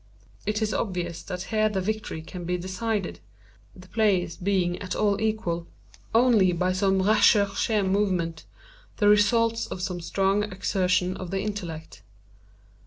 It is obvious that here the victory can be decided (the players being at all equal) only by some recherché movement, the result of some strong exertion of the intellect.